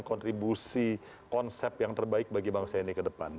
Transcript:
kontribusi konsep yang terbaik bagi bangsa ini ke depan